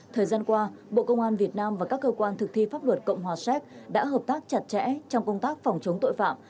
thời gian qua bộ công an việt nam và các cơ quan thực thi pháp luật cộng hòa séc đã hợp tác chặt chẽ trong công tác phòng chống tội phạm